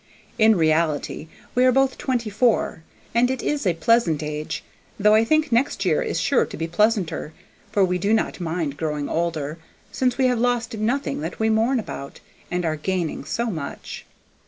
In reality we are both twenty four, and it is a pleasant age, though I think next year is sure to be pleasanter, for we do not mind growing older, since we have lost nothing that we mourn about, and are gaining so much.